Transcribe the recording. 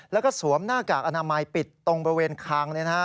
แล้วก็สวมหน้ากากอนามัยปิดตรงบริเวณคาง